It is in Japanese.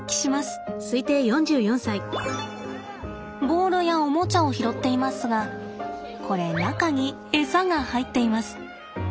ボールやおもちゃを拾っていますがこれ中にエサが入っています。